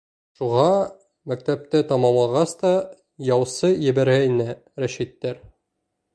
Шуға мәктәпте тамамлағас та яусы ебәргәйне Рәшиттәр.